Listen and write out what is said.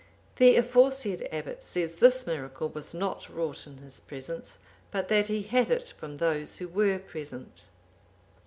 The aforesaid abbot says this miracle was not wrought in his presence, but that he had it from those who were present.